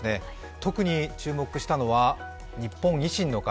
特に注目したのは日本維新の会。